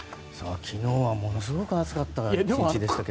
昨日はものすごく暑かった１日でしたけど。